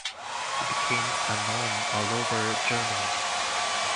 It became known all over Germany.